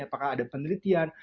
apakah ada penelitian